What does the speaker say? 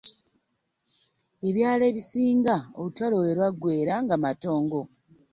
Ebyalo ebisinga olutalo we lwaggweera nga matongo.